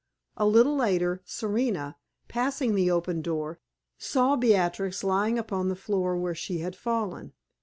A little later, Serena, passing the open door, saw Beatrix lying upon the floor where she had fallen.